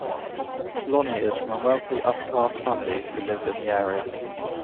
Lonnie is from a wealthy, upper-class family who live in the area.